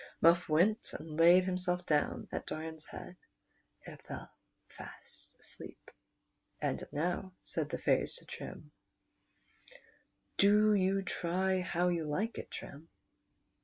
Muff went and laid himself down at Doran's head and fell fast asleep. "And now/' said the fairies to Trim, "do you try how you like it, Trim."